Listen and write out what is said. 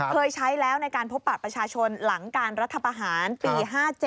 เคยใช้แล้วในการพบปะประชาชนหลังการรัฐประหารปี๕๗